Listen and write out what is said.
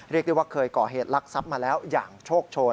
เรียกได้ว่าเคยก่อเหตุลักษัพมาแล้วอย่างโชคโชน